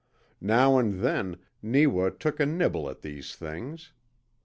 Now and then Neewa took a nibble at these things.